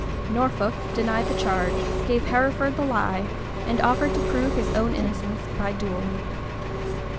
[] Norfolk.. denied the charge, gave Hereford the lie, and offered to prove his own innocence by duel.